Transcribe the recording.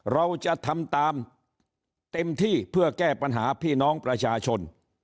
เราจะทำตามเต็มที่เพื่อแก้ปัญหาพี่น้องประชาชน